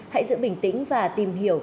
hãy giữ bình tĩnh và tìm hiểu